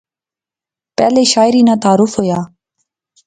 پہلے شاعریں ناں تعارف ہویا